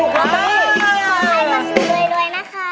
ขอให้ประสุนด้วยด้วยนะคะ